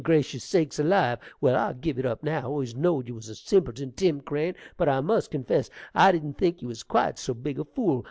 gracious sakes alive! Well, I'll give it up now! I always knowed you was a simpleton, Tim Crane, but, I must confess, I didn't think you was quite so big a fool.